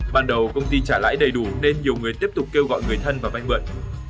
ban đầu công ty trả lãi đầy đủ nên nhiều người tiếp tục kêu gọi người thân và banh mượn